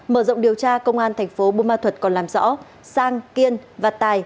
mở rộng điều tra công an thành phố bù ma thuật còn làm rõ sang kiên và tài